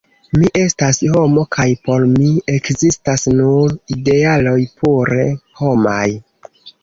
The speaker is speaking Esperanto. Mi estas homo, kaj por mi ekzistas nur idealoj pure homaj.